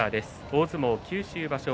大相撲九州場所